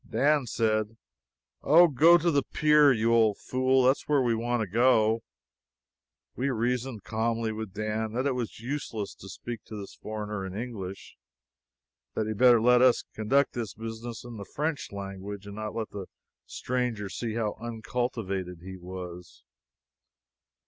Dan said: "Oh, go to the pier, you old fool that's where we want to go!" We reasoned calmly with Dan that it was useless to speak to this foreigner in English that he had better let us conduct this business in the French language and not let the stranger see how uncultivated he was.